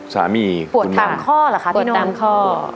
สามีคุณบ้านปวดตามข้อหรือคะพี่นนท์ปวดตามข้อปวดตามข้อ